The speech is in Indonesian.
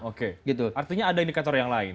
oke gitu artinya ada indikator yang lain